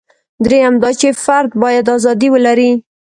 درېیم دا چې فرد باید ازادي ولري.